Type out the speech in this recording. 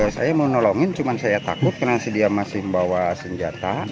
saya mau nolongin cuma saya takut karena dia masih membawa senjata